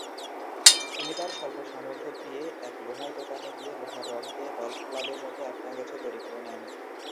তিনি তার স্বল্প সামর্থ্য দিয়ে এক লোহার দোকানে গিয়ে লোহার রড দিয়ে গলফ ক্লাবের মতো একটা কিছু তৈরি করে নেন।